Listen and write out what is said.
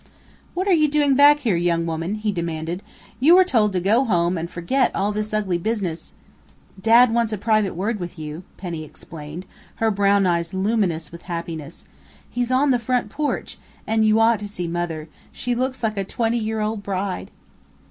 "What are you doing back here, young woman?" he demanded. "You were told to go home and forget all this ugly business " "Dad wants a private word with you," Penny explained, her brown eyes luminous with happiness. "He's on the front porch.... And you ought to see Mother! She looks like a twenty year old bride!"